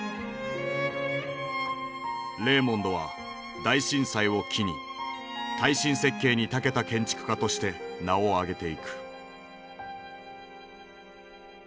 レーモンドは大震災を機に耐震設計に長けた建築家として名を上げていく。